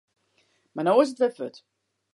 Mar no is it wer fuort.